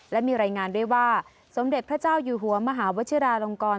และมีรายงานด้วยว่าสมเด็จพระเจ้าอยู่หัวมหาวชิราลงกร